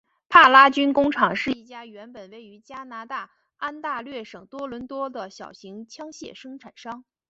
帕拉军工厂是一家原本位于加拿大安大略省多伦多的小型枪械生产商。